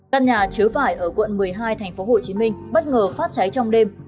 căn nhà chứa vải ở quận một mươi hai tp hcm bất ngờ phát cháy trong đêm